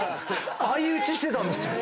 相打ちしてたんですよ。